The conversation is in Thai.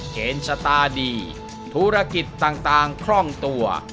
เกณฑ์ชะตาดีธุรกิจต่างคล่องตัว